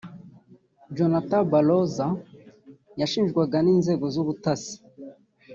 Jonathan Baroza yashinjwaga n’inzego z’ubutasi